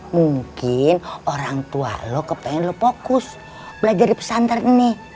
mungkin orang tua lo kepengen lo fokus belajar di pesantren ini